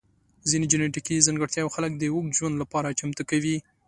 ځینې جنیټیکي ځانګړتیاوې خلک د اوږد ژوند لپاره چمتو کوي.